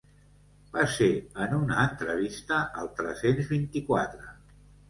Va ser en una entrevista al tres-cents vint-i-quatre.